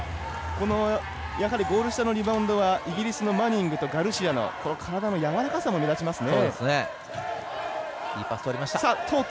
ゴール下のリバウンドはイギリスのマニングの体のやわらかさも目立ちますね。